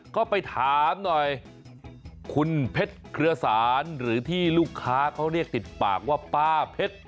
ก็ไปถามหน่อยคุณเพชรเครือสารหรือที่ลูกค้าเขาเรียกติดปากว่าป้าเพชร